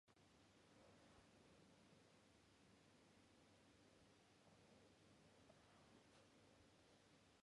The condensate wave function allows designing and measuring macroscopic quantum effects.